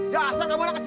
ya asal kamu anak kecil